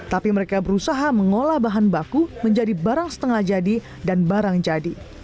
tapi mereka berusaha mengolah bahan baku menjadi barang setengah jadi dan barang jadi